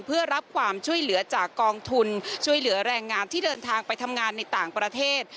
เพื่อรับความช่วยเหลือจากกองทุนช่วยเหลือแรงงานที่เดินทางไปทำงานในต่างประเทศ